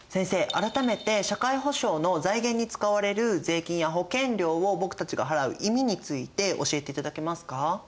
改めて社会保障の財源に使われる税金や保険料を僕たちが払う意味について教えていただけますか？